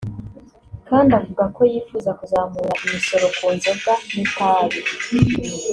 kandi avuga ko yifuza kuzamura imisoro ku nzoga n’itabi